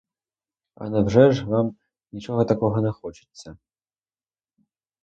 А невже ж вам нічого такого не хочеться?